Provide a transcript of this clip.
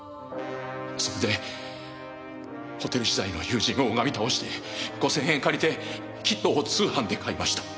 それでホテル時代の友人を拝み倒して５千円借りてキットを通販で買いました。